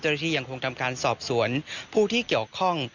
ที่ยังคงทำการสอบสวนผู้ที่เกี่ยวข้อง